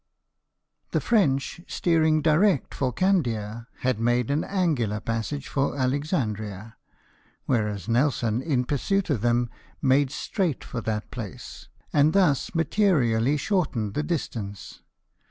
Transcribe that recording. The French, steering direct for Candia, had made an angular passage for Alexandria ; whereas Nelson in pursuit of them made straight for that place, and thus materially shortened the distance.